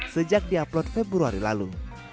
sejak di upload februari lalu